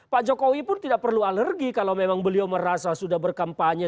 pak jokowi pun tidak perlu alergi kalau memang beliau merasa sudah berkampanye